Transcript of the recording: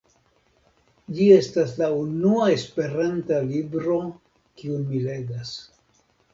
Ĝi estas la unua esperanta libro kiun mi legas.